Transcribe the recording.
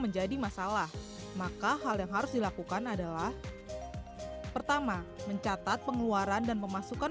menjadi masalah maka hal yang harus dilakukan adalah pertama mencatat pengeluaran dan memasukkan